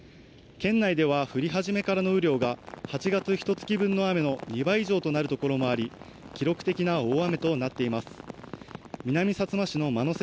県内では降り始めからの雨量が８月ひと月分の雨の２倍以上となるところもあり記録的な大雨となっています。